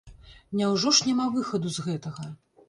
Няўжо ж няма выхаду з гэтага?